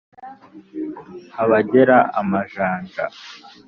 Abagera amajanja